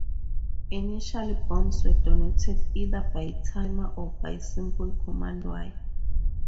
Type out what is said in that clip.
Initially, bombs were detonated either by timer or by simple command wire.